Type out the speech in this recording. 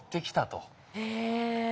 へえ。